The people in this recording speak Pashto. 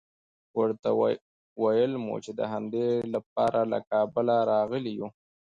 ورته ویل مو چې د همدې لپاره له کابله راغلي یوو.